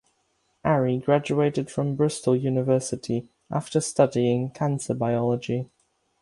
Aryee graduated from Bristol University after studying cancer biology.